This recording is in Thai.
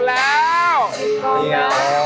ดีปรงนะ